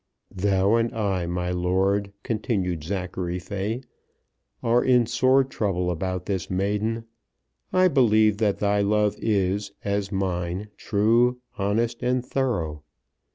"Thou and I, my lord," continued Zachary Fay, "are in sore trouble about this maiden. I believe that thy love is, as mine, true, honest, and thorough.